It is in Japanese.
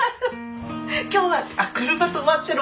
「今日は車止まってる。